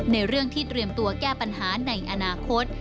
เรื่องที่เตรียมตัวแก้ปัญหาในอนาคต